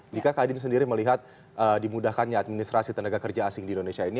jika kadin sendiri melihat dimudahkannya administrasi tenaga kerja asing di indonesia ini